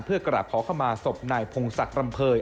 เพื่อกราบขอเข้ามาศพนายพงศักดิ์รำเภย